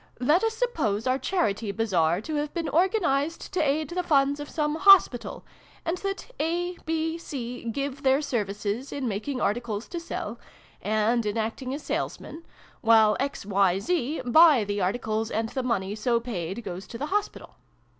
Let us suppose our Charity Bazaar to have been organised to aid the funds of some Hospital : and that A, B, C give their services in making articles to sell, and in acting as salesmen, while X, Y, Z buy the articles, and the money so paid goes to the Hospital.